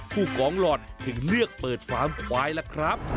กองหล่อนถึงเลือกเปิดฟาร์มควายล่ะครับ